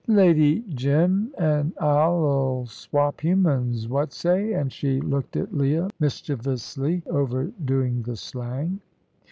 "Lady Jim an' I 'ull swap humans. What say?" and she looked at Leah, mischievously overdoing the slang.